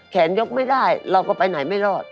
ยกไม่ได้เราก็ไปไหนไม่รอด